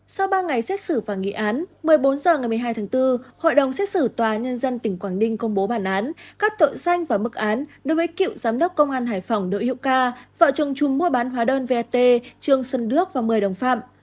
sau ba ngày xét xử và nghị án một mươi bốn h ngày một mươi hai tháng bốn hội đồng xét xử tòa nhân dân tỉnh quảng ninh công bố bản án các tội danh và mức án đối với cựu giám đốc công an hải phòng đỗ hiệu ca vợ chồng chung mua bán hóa đơn vat trương xuân đức và một mươi đồng phạm